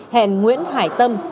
hẹn nguyễn hải tâm